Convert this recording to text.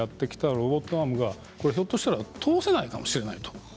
ロボットアームがひょっとして通せないかもしれない。